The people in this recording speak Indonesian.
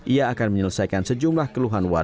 ia akan menyelesaikan sejumlah keluhan warga